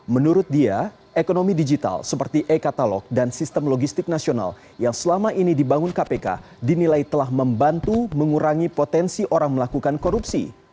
menurut dia ekonomi digital seperti e katalog dan sistem logistik nasional yang selama ini dibangun kpk dinilai telah membantu mengurangi potensi orang melakukan korupsi